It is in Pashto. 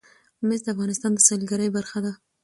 مس د افغانستان د سیلګرۍ برخه ده.